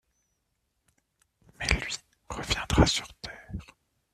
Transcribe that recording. Mais lui reviendra sur Terre.